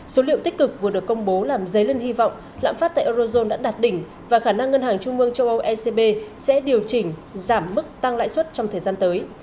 số liệu tích cực vừa được công bố làm dấy lên hy vọng lạm phát tại eurozone đã đạt đỉnh và khả năng ngân hàng trung mương châu âu ecb sẽ điều chỉnh giảm mức tăng lãi suất trong thời gian tới